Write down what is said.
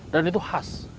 dan itu khas